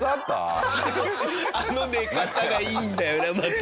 あの寝方がいいんだよなまた。